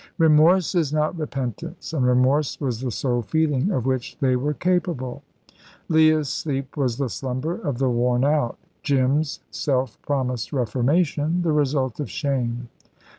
Remorse is not repentance, and remorse was the sole feeling of which they were capable. Leah's sleep was the slumber of the worn out; Jim's self promised reformation the result of shame.